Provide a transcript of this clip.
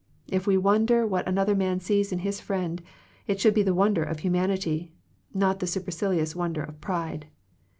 If we wonder what another man sees in his friend, it should be the wonder of hu* mility, not the supercilious wonder of pride.